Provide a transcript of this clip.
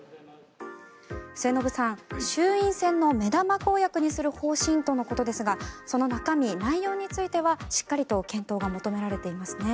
末延さん、衆院選の目玉公約にする方針とのことですがその中身、内容についてはしっかりと検討が求められていますね。